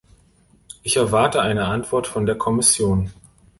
Ich erwarte eine Antwort von der Kommission.